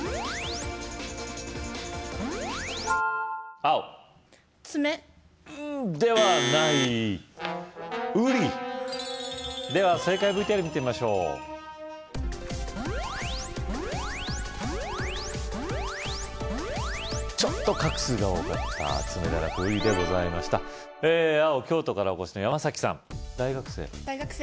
青爪うんではない瓜では正解ＶＴＲ見てみましょうちょっと画数が多かった爪ではなく瓜でございました青京都からお越しの山崎さん大学生？